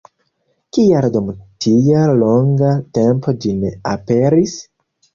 Kial dum tiel longa tempo ĝi ne aperis?